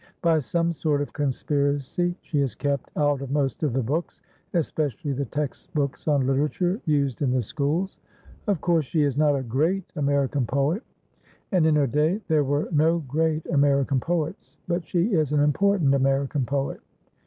By some sort of conspiracy she is kept out of most of the books, especially the text books on literature used in the schools. Of course, she is not a great American poet and in her day there were no great American poets but she is an important American poet.